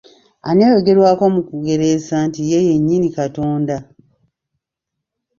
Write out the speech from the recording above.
Ani oyogerwako mu kugereesa nti ye nnyini Katonda?